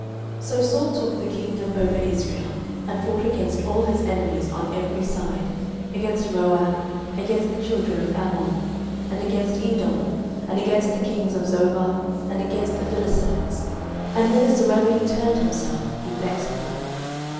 09:014:047 So Saul took the kingdom over Israel, and fought against all his enemies on every side, against Moab, and against the children of Ammon, and against Edom, and against the kings of Zobah, and against the Philistines: and whithersoever he turned himself, he vexed them.